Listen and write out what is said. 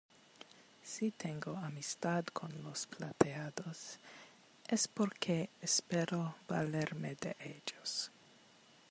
si tengo amistad con los plateados, es porque espero valerme de ellos...